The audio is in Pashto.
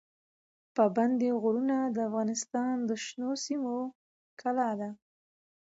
پابندی غرونه د افغانستان د شنو سیمو ښکلا ده.